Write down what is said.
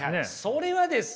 それはですね